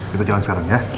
kita jalan sekarang ya